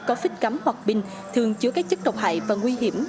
có phít cắm hoặc pin thường chứa các chất độc hại và nguy hiểm